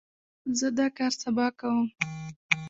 زه دا کار سبا کوم.